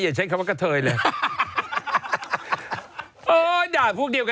อย่าใช้คำว่ากะเทยเลย